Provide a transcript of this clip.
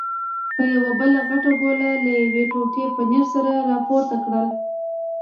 ما یوه بله غټه ګوله له یوې ټوټې پنیر سره راپورته کړل.